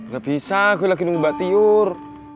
gak bisa gue lagi nunggu mbak tiur